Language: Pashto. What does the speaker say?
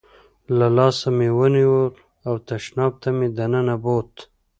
له لاسه مې ونیو او تشناب ته مې دننه بوت.